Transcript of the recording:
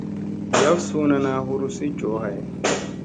Jaf suu naana hurusi joohay.